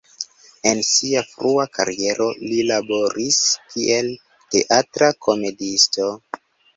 En sia frua kariero li laboris kiel teatra komediisto.